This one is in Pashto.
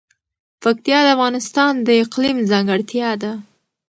پکتیا د افغانستان د اقلیم ځانګړتیا ده.